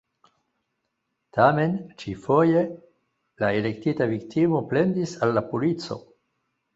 Tamen, ĉi-foje, la elektita viktimo plendis al la polico.